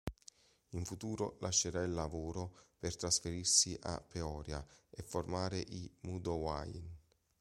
In futuro lascerà il lavoro per trasferirsi a Peoria e formare i Mudvayne.